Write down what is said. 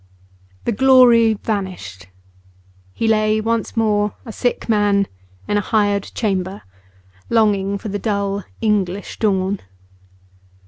The glory vanished. He lay once more a sick man in a hired chamber, longing for the dull English dawn.